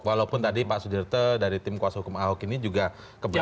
walaupun tadi pak sudirte dari tim kuasa hukum ahok ini juga keberatan